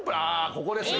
ここですね。